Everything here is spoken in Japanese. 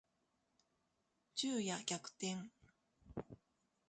昼夜逆転